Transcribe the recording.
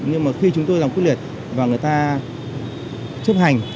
nhưng mà khi chúng tôi làm quyết liệt và người ta chấp hành